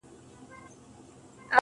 ه ياره کندهار نه پرېږدم,